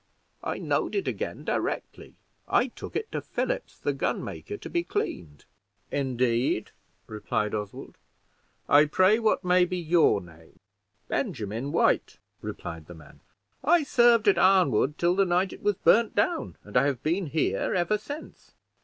I knowed it again directly. I took it to Phillips, the gun maker, to be cleaned." "Indeed!" replied Oswald; "I pray, what may be your name?" "Benjamin White," replied the man; "I served at Arnwood till the night it was burned down; and I have been here ever since."